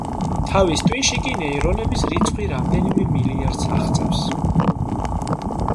თავის ტვინში კი ნეირონების რიცხვი რამდენიმე მილიარდს აღწევს.